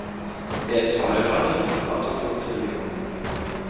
Er ist verheiratet und Vater von Zwillingen.